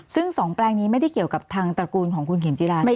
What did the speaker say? ซึ่ง๒แปลงนี้ไม่ได้เกี่ยวกับทางตระกูลของคุณเข็มจิรานะ